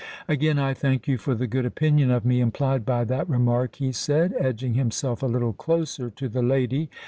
"Again I thank you for the good opinion of me implied by that remark," he said, edging himself a little closer to the lady.